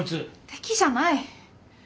敵じゃない！